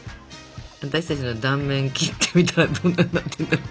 私たちの断面切ってみたらどんなんなってるんだろう。